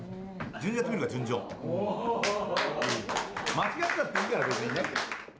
間違ったっていいから別にね。